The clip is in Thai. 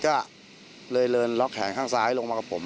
ก็เลยเดินล็อกแขนข้างซ้ายลงมากับผม